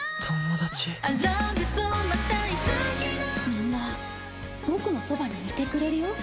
みんなボクのそばにいてくれるよ。